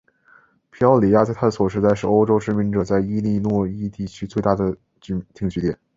皮奥里亚在探索时代是欧洲殖民者在伊利诺伊地区最大的定居点。